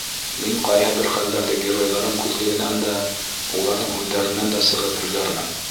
Мин ҡайһы бер хәлдәрҙе геройҙарым күҙлегенән дә, уларҙың һүҙҙәренән дә сығып һөйләрмен.